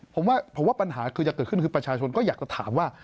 ผมว่าผมว่าปัญหาคือจะเกิดขึ้นคือประชาชนก็อยากจะถามว่า